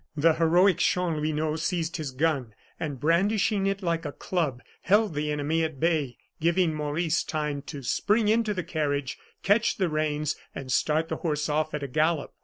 The heroic Chanlouineau seized his gun, and brandishing it like a club, held the enemy at bay, giving Maurice time to spring into the carriage, catch the reins and start the horse off at a gallop.